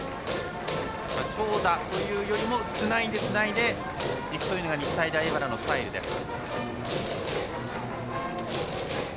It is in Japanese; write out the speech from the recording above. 長打というよりもつないでつないでというのが日体大荏原のスタイルです。